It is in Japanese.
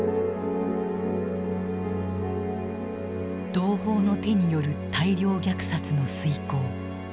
同胞の手による大量虐殺の遂行。